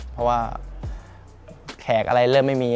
เพราะว่าแขกอะไรเริ่มไม่มี